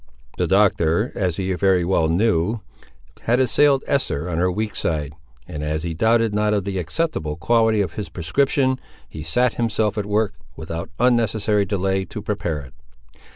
The Doctor, as he very well knew, had assailed Esther on her weak side; and, as he doubted not of the acceptable quality of his prescription, he sat himself at work, without unnecessary delay, to prepare it.